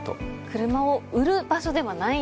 車を売る場所ではないんですね。